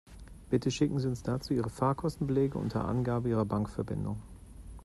Bitte schicken Sie uns dazu Ihre Fahrkostenbelege unter Angabe Ihrer Bankverbindung.